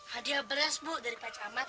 hadiah beras bu dari pak camat